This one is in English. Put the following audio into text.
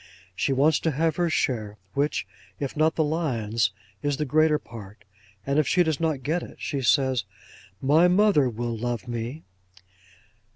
She wants to have her share, which, if not the lion's, is the greater part; and if she does not get it, she says, "My mother will love me."